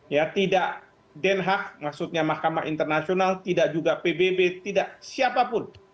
ya tidak denhak maksudnya mahkamah internasional tidak juga pbb tidak siapapun